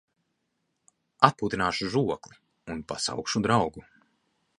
Atpūtināšu žokli un pasaukšu draugu.